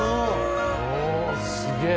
おおすげえ。